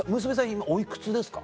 今おいくつですか？